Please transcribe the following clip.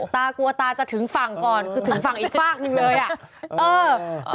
ตากลัวตาจะถึงฝั่งก่อนถึงฝั่งอีกฝั่งหนึ่งเลย